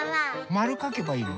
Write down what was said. まるかけばいいの？